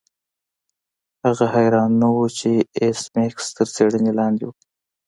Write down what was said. هغه حیران نه و چې ایس میکس تر څیړنې لاندې و